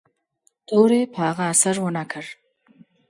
تورې په هغه اثر و نه کړ.